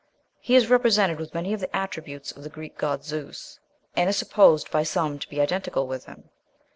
He is represented with many of the attributes of the Greek god Zeus, and is supposed by some to be identical with him.